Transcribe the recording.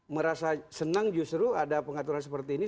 merasa senang justru ada pengaturan seperti ini